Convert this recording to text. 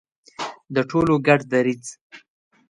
د ټولو ګډ دریځ.